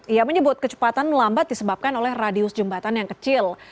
ia menyebut kecepatan melambat disebabkan oleh radius jembatan yang kecil